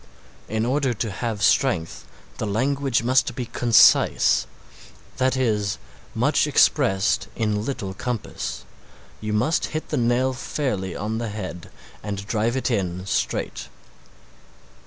In order to have strength the language must be concise, that is, much expressed in little compass, you must hit the nail fairly on the head and drive it in straight.